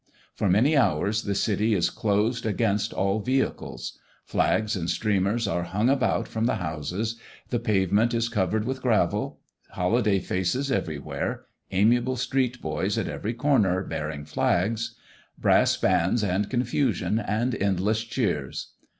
For many hours the City is closed against all vehicles; flags and streamers are hung out from the houses; the pavement is covered with gravel; holiday faces everywhere; amiable street boys at every corner bearing flags; brass bands and confusion and endless cheers!